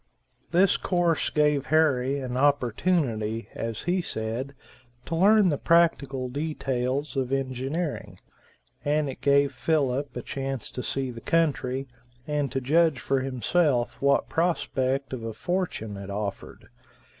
This course gave Harry an opportunity, as he said, to learn the practical details of engineering, and it gave Philip a chance to see the country, and to judge for himself what prospect of a fortune it offered.